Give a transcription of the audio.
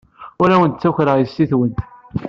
Ur awent-ttakreɣ yessi-twent.